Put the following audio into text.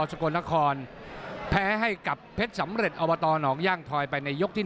สกลนครแพ้ให้กับเพชรสำเร็จอบตหนองย่างทอยไปในยกที่๑